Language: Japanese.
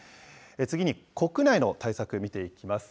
次に、国内の対策、見ていきます。